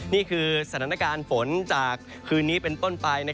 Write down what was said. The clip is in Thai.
นี่คือสถานการณ์ฝนจากคืนนี้เป็นต้นไป